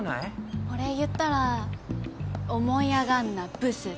お礼言ったら「思い上がんなブス」って。